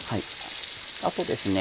あとですね